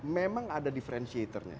memang ada differentiator nya